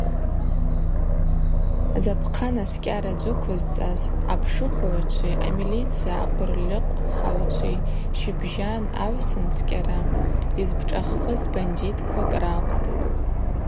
Запхъанаскӏьара джвыквызцӏаз апшыхвыгӏвчви амилиция акъвырльыкъвхагӏвчви щыбжьан агӏвсындзыкӏьара йызпшӏаххыз бандитквакӏ ракӏвпӏ.